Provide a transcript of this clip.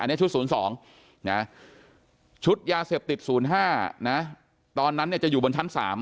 อันนี้ชุด๐๒นะชุดยาเสพติด๐๕นะตอนนั้นจะอยู่บนชั้น๓